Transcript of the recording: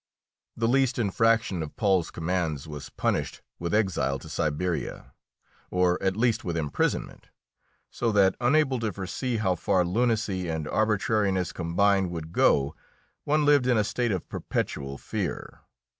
The least infraction of Paul's commands was punished with exile to Siberia, or at least with imprisonment, so that, unable to foresee how far lunacy and arbitrariness combined would go, one lived in a state of perpetual fear.